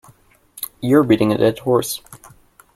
You're beating a dead horse